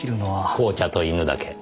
紅茶と犬だけ。